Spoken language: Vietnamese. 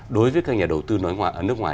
đối với các nhà đầu tư nước ngoài